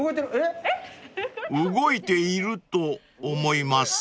［動いていると思います］